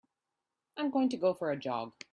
I'm going to go for a jog.